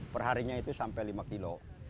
perharinya itu sampai lima kilo